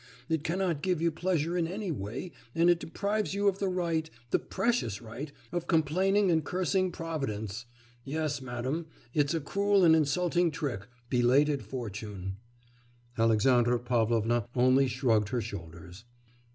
It cannot give you pleasure in any way, and it deprives you of the right the precious right of complaining and cursing Providence. Yes, madam, it's a cruel and insulting trick belated fortune.' Alexandra Pavlovna only shrugged her shoulders.